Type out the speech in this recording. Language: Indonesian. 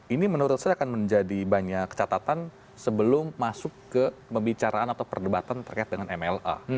ini menurut saya akan menjadi banyak catatan sebelum masuk ke pembicaraan atau perdebatan terkait dengan mla